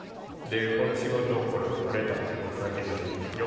この仕事を取れたっていうことが非常によかったですね。